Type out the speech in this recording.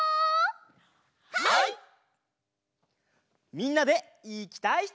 みんなでいきたいひと！